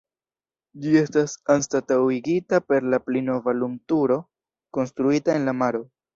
Ĝi estis anstataŭigita per la pli nova lumturo konstruita en la maro.